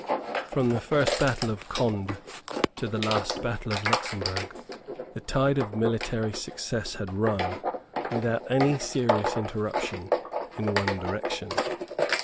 From the first battle of Conde to the last battle of Luxemburg, the tide of military success had run, without any serious interruption, in one direction.